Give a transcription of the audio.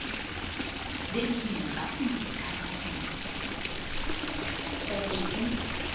電気もガスも使えません。